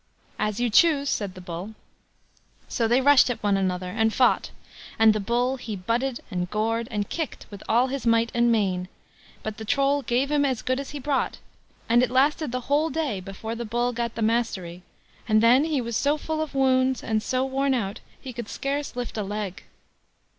"As you choose", said the Bull. So they rushed at one another, and fought; and the Bull he butted, and gored, and kicked with all his might and main; but the Troll gave him as good as he brought, and it lasted the whole day before the Bull got the mastery; and then he was so full of wounds, and so worn out, he could scarce lift a leg.